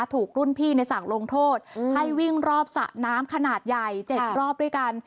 ถูกรุ่นพี่ในสั่งลงโทษให้วิ่งรอบสระน้ำขนาดใหญ่๗รอบด้วยกัน